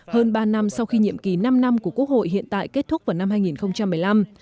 hơn ba năm sau khi nhiệm kỳ năm năm của quốc hội hiện tại kết thúc vào năm hai nghìn một mươi năm